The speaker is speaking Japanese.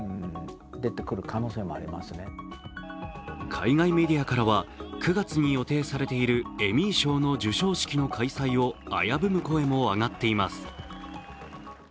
海外メディアからは９月に予定されているエミー賞の授賞式の開催を危ぶむ声も上がっています。